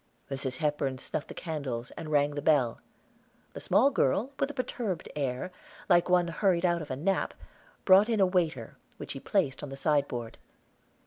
Mrs. Hepburn snuffed the candles, and rang the bell. The small girl, with a perturbed air, like one hurried out of a nap, brought in a waiter, which she placed on the sideboard.